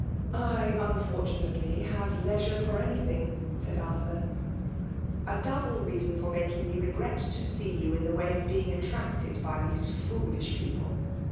" I, unfortunately, have leisure for any thing/* said Arthur. *' A double reason for making me regret to see you in the way of being attracted by these foolish people.